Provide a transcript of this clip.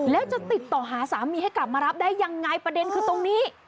แล้วจะติดต่อหาสามีให้กลับมารับได้ยังไงประเด็นคือตรงนี้